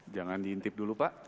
jangan diintip dulu pak